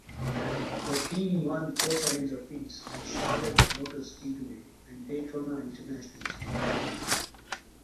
The team won four times apiece at Charlotte Motor Speedway and Daytona International Speedway.